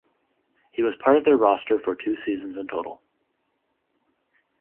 He was part of their roster for two seasons in total.